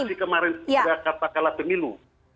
masa kemarin sudah kata kala pengilu